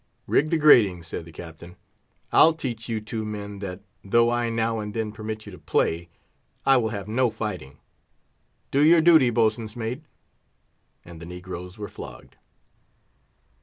"Rig the gratings," said the Captain. "I'll teach you two men that, though I now and then permit you to play, I will have no fighting. Do your duty, boatswain's mate!" And the negroes were flogged.